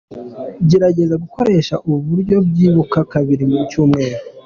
Gerageza gukoresha ubu buryo byibura kabiri mu cyumweru.